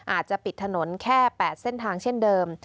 อาจจะปิดถนนแค่๘เส้นทางเช่นเดิม